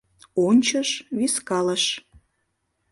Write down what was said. Ончыш, вискалыш.